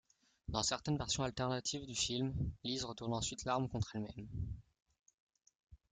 Dans certaines versions alternatives du film, Lise retourne ensuite l'arme contre elle-même.